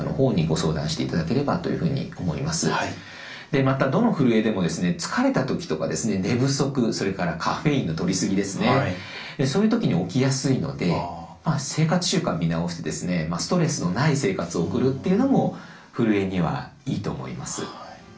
でまたどのふるえでも疲れた時とか寝不足それからカフェインのとりすぎですねそういう時に起きやすいので生活習慣を見直してストレスのない生活を送るっていうのもふるえにはいいと思います。